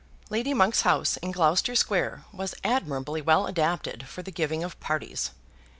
Lady Monk's house in Gloucester Square was admirably well adapted for the giving of parties.